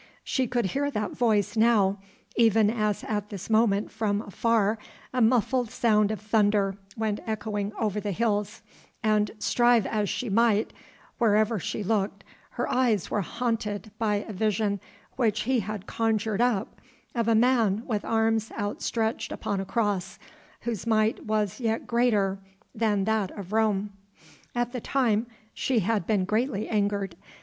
She could hear that voice now, even as at this moment from afar a muffled sound of thunder went echoing over the hills, and, strive as she might, wherever she looked her eyes were haunted by the vision which he had conjured up of a man with arms outstretched upon a cross, whose might was yet greater than that of Rome. At the time she had been greatly angered.